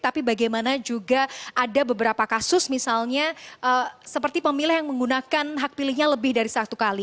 tapi bagaimana juga ada beberapa kasus misalnya seperti pemilih yang menggunakan hak pilihnya lebih dari satu kali